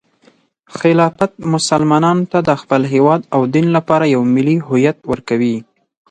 خلافت مسلمانانو ته د خپل هیواد او دین لپاره یو ملي هویت ورکوي.